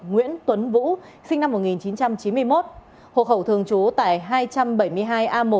nguyễn tuấn vũ sinh năm một nghìn chín trăm chín mươi một hộ khẩu thường trú tại hai trăm bảy mươi hai a một